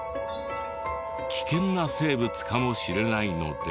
危険な生物かもしれないので。